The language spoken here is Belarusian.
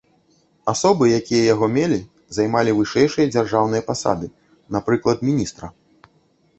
Асобы, якія яго мелі, займалі вышэйшыя дзяржаўныя пасады, напрыклад міністра.